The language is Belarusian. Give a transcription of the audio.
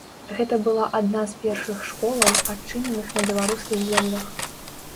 Гэта была адна з першых школаў, адчыненых на беларускіх землях.